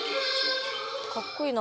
かっこいいな。